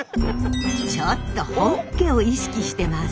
ちょっと本家を意識してます？